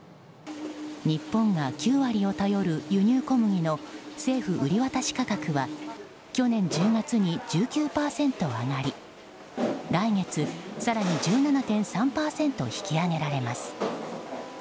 日本が９割を頼る輸入小麦の政府売り渡し価格は去年１０月に１９％上がり来月、更に１７．３％引き上げられます。